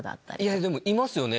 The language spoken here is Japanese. でもいますよね。